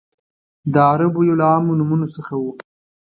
د عربو یو له عامو نومونو څخه و.